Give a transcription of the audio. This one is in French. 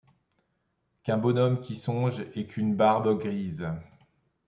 Qu'un bonhomme qui songe et qu'une barbe grise ;